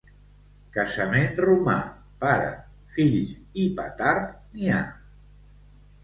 Casament romà, pare, fills i «pa» tard n'hi ha.